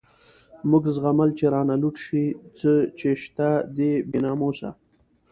موږ زغمل چی رانه لوټ شی، څه چی شته دی بی ناموسه